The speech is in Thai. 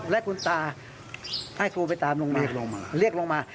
และคุณตาให้ครูไปตามลงมาเรียกลงมา